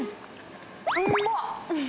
うまっ！